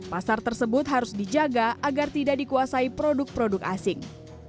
pasar tersebut harus dijaga agar tidak dikuasai produk produk asing